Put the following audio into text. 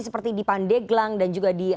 seperti di pandeglang dan juga di